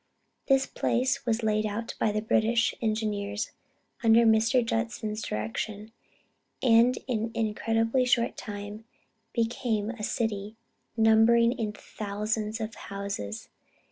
This place had been laid out by British engineers under Mr. Judson's direction, and in an incredibly short time, became a city numbering in thousands of houses.